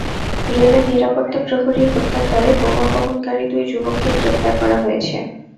রেলের নিরাপত্তা প্রহরী হত্যার দায়ে বোমা বহনকারী দুই যুবককে গ্রেপ্তার করা হয়েছে।